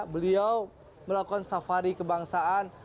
beliau melakukan safari kebangsaan